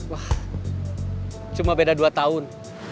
wah cuma beda dua tahun